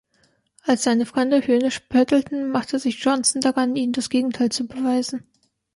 Als seine Freunde höhnisch spöttelten, machte sich Johnson daran, ihnen das Gegenteil zu beweisen.